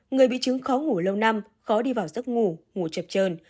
người bị chứng khó ngủ lâu năm khó đi vào giấc ngủ ngủ chập trơn